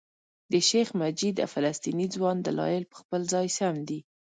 د شیخ مجید او فلسطیني ځوان دلایل په خپل ځای سم دي.